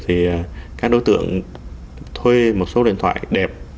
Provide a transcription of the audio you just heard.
thì các đối tượng thuê một số điện thoại đẹp